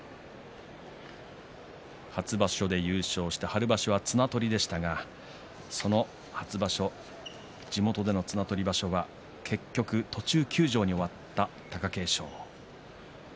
初場所で優勝して春場所は綱取りでしたが地元での綱取り場所は途中休場に終わった貴景勝。